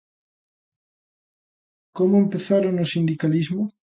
Como empezaron no sindicalismo?